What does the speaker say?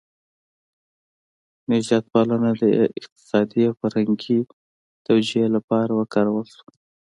نژاد پالنه د اقتصادي او فرهنګي توجیه لپاره وکارول شوه.